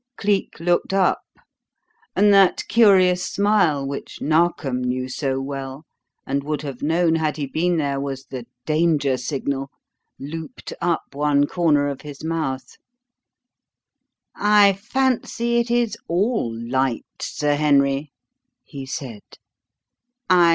Cleek looked up, and that curious smile which Narkom knew so well and would have known had he been there was the "danger signal" looped up one corner of his mouth. "I fancy it is all 'light,' Sir Henry," he said.